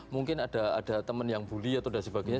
mungkin ada teman yang bully atau sebagainya